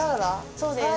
そうです。